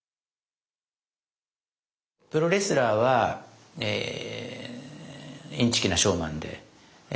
プロレスラーはえインチキなショーマンでえ